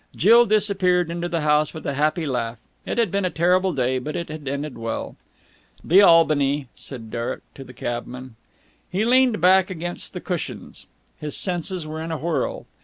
Jill disappeared into the house with a happy laugh. It had been a terrible day, but it had ended well. "The Albany," said Derek to the cabman. He leaned back against the cushions. His senses were in a whirl.